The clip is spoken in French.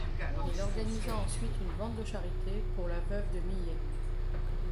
Il organisa ensuite une vente de charité pour la veuve de Millet.